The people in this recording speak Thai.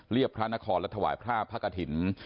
เรียบพระนครและถวายพระพระกฐิน